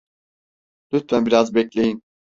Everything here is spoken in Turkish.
Lütfen biraz bekleyin.